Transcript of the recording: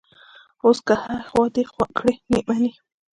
اوس که هر ایخوا دیخوا کړي، نه مني.